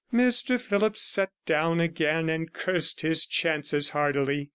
Mr Phillipps sat down again, and cursed his chances heartily.